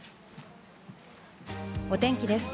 お天気です。